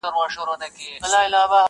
o یو قاضي بل څارنوال په وظیفه کي,